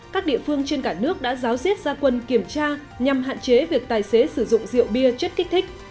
các địa phương trên cả nước đã giáo diết gia quân kiểm tra nhằm hạn chế việc tài xế sử dụng rượu bia chất kích thích